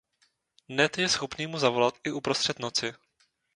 Ned je schopný mu zavolat i uprostřed noci.